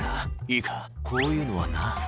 「いいかこういうのはな」